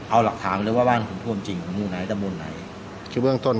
เอาหลักฐานเลยว่าว่าคุณผู้จริงถูกรู้ไหนกับบอลไหนคือเบื้องต้น